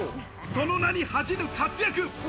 その名に恥じぬ活躍。